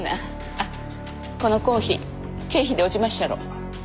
あっこのコーヒー経費で落ちまっしゃろ？